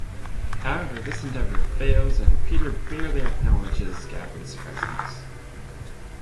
However, this endeavor fails and Peter barely acknowledges Gavin's presence.